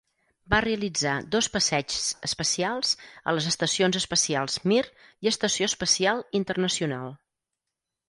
Va realitzar dos passeigs espacials, a les estacions espacials Mir i Estació Espacial Internacional.